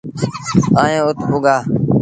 ائيٚݩ اُت پُڳآ۔